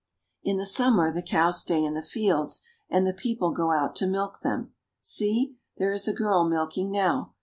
In the summer the cows stay in the fields and the peo ple go out to milk them. See, there is a girl milking now.